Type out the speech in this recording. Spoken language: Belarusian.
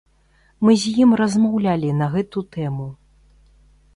Мы з ім размаўлялі на гэту тэму.